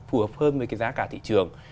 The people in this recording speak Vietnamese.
phù hợp hơn với cái giá cả thị trường